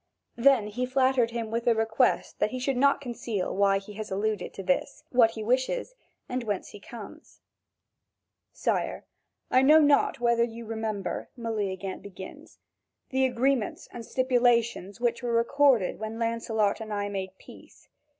Then he flattered him with the request that he should not conceal why he has alluded to this, what he wishes, and whence he comes. "Sire, I know not whether you remember," Meleagant begins, "the agreements and stipulations which were recorded when Lancelot and I made peace.